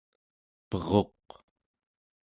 peruq